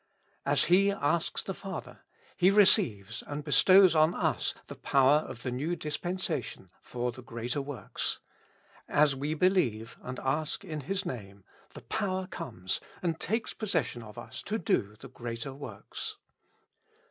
As He asks the Father, He receives and bestows on us the power of the new dispensation for the greater works ; as we believe, and ask in His Name, the power comes and takes possession of us to do the greater works.